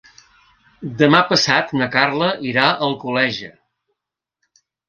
Demà passat na Carla irà a Alcoleja.